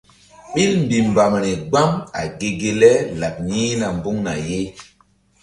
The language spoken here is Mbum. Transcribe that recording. Ɓil mbih mbam ri gbam a ge ge le laɓ yi̧hna mbuŋna ye.